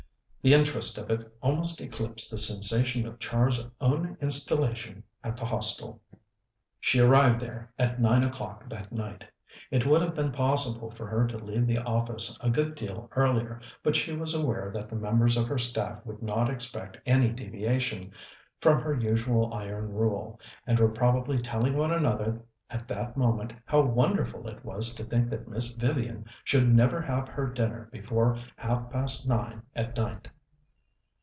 The interest of it almost eclipsed the sensation of Char's own installation at the Hostel. She arrived there at nine o'clock that night. It would have been possible for her to leave the office a good deal earlier, but she was aware that the members of her staff would not expect any deviation from her usual iron rule, and were probably telling one another at that moment how wonderful it was to think that Miss Vivian should never have her dinner before half past nine at night.